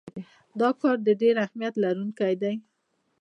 دا کار د ډیر اهمیت لرونکی دی.